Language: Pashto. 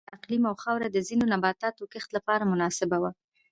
د دې ځمکې اقلیم او خاوره د ځینو نباتاتو د کښت لپاره مناسبه وه.